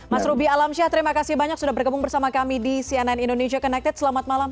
mas ruby alamsyah terima kasih banyak sudah bergabung bersama kami di cnn indonesia connected selamat malam